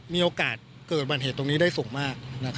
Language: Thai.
มีโอกาสเกิดอุบัติเหตุตรงนี้ได้สูงมาก